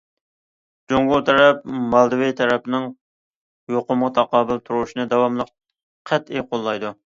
جۇڭگو تەرەپ مالدىۋې تەرەپنىڭ يۇقۇمغا تاقابىل تۇرۇشىنى داۋاملىق قەتئىي قوللايدۇ.